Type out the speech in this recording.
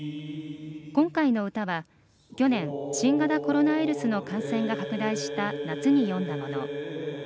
今回の歌は、去年新型コロナウイルスの感染が拡大した夏に詠んだもの。